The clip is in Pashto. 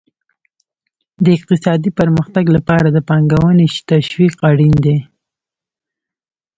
د اقتصادي پرمختګ لپاره د پانګونې تشویق اړین دی.